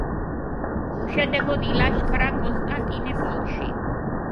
უშედეგოდ ილაშქრა კონსტანტინოპოლში.